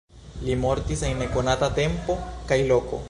Li mortis en nekonata tempo kaj loko.